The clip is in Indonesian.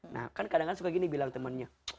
nah kan kadang kadang suka gini bilang temennya